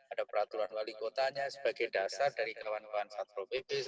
ada peraturan wali kotanya sebagai dasar dari kawan kawan satro pp